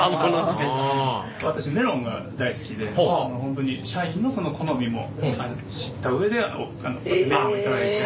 私メロンが大好きで本当に社員の好みも知った上でメロンを頂いて。